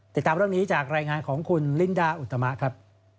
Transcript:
ติดตามเรื่องนี้จากรายงานของคุณลินดาอุตมะครับ